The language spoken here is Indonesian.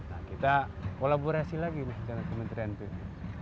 nah kita kolaborasi lagi dengan kementerian pu